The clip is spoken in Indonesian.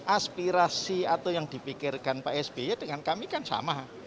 aspirasi atau yang dipikirkan pak sby dengan kami kan sama